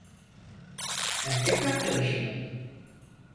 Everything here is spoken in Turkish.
Erkek arkadaşı mı?